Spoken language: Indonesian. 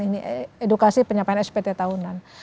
ini edukasi penyampaian spt tahunan